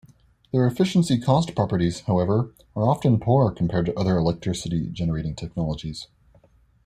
Their efficiency-cost properties, however, are often poor compared to other electricity-generating technologies.